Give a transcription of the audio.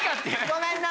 ごめんな。